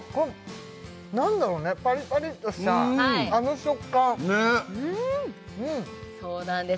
何だろうねパリパリっとしたあの食感そうなんです